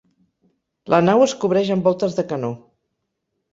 La nau es cobreix amb voltes de canó.